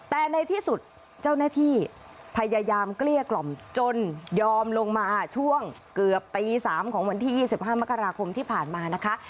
แต่ในที่สุดเจ้าหน้าที่พยายามเกลี้ยกล่อมจนยอมลงมาช่วงเกือบตี๓ของวันที่๒๕มกราคมที่ผ่านมานะคะ